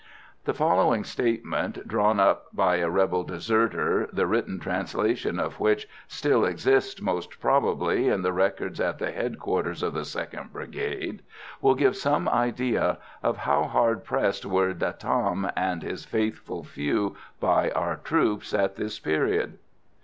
The following statement, drawn up by a rebel deserter, the written translation of which still exists, most probably, in the records at the headquarters of the 2nd Brigade, will give some idea of how hard pressed were De Tam and his faithful few by our troops at this period.